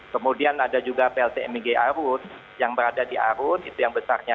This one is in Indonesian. kemudian ada juga pltmigai arun yang berada di arun itu yang besarnya